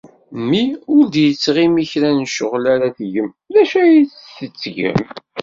Mi ur d-yettɣimi kra n ccɣel ara tgem, d acu ay tettgem?